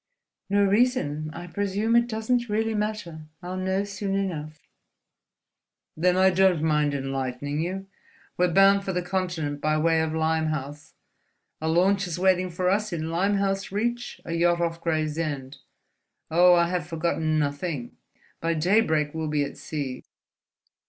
"No reason. I presume it doesn't really matter, I'll know soon enough." "Then I don't mind enlightening you. We're bound for the Continent by way of Limehouse. A launch is waiting for us in Limehouse Reach, a yacht off Gravesend. Oh, I have forgotten nothing! By daybreak we'll be at sea."